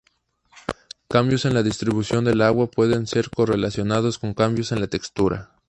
Cambios en la distribución del agua pueden ser correlacionados con cambios en la textura.